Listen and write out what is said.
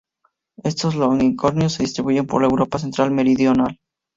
Estos longicornios se distribuyen por la Europa central-meridional.